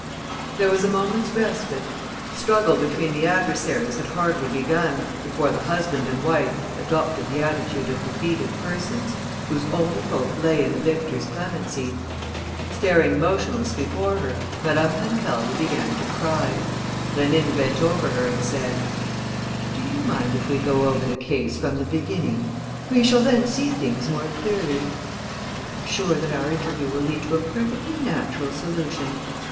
There was a moment's respite. The struggle between the adversaries had hardly begun, before the husband and wife adopted the attitude of defeated persons whose only hope lay in the victor's clemency. Staring motionless before her, Madame Pancaldi began to cry. Rénine bent over her and said: "Do you mind if we go over the case from the beginning? We shall then see things more clearly; and I am sure that our interview will lead to a perfectly natural solution....